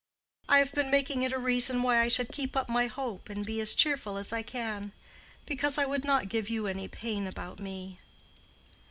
I have been making it a reason why I should keep up my hope and be as cheerful as I can, because I would not give you any pain about me."